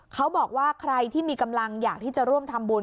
เขาบอกว่าใครที่มีกำลังอยากที่จะร่วมทำบุญ